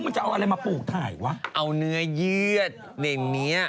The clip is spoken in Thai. เอาอะไรมาปลูกไทยวะเอาเนื้อเยือดในเนี้ย